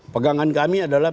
pegangan kami adalah